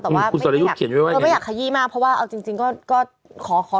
แต่ว่าเธอไม่อยากขยี้มากเพราะว่าเอาจริงก็ขอขอ